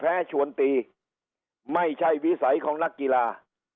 ชวนตีไม่ใช่วิสัยของนักกีฬา